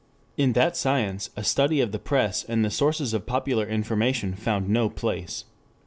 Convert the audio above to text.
In that science a study of the press and the sources of popular information found no place.